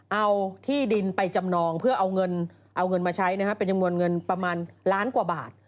เอาที่ดินไปจำนองเพื่อเอาเงินเอาเงินมาใช้เป็นจำนวนเงินประมาณล้านกว่าบาท